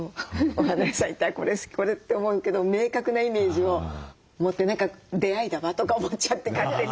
お花屋さん行ったら「これ好き」「これ」って思うけど明確なイメージを持って「出会いだわ」とか思っちゃって勝手に。